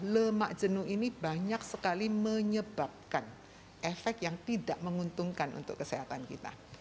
lemak jenuh ini banyak sekali menyebabkan efek yang tidak menguntungkan untuk kesehatan kita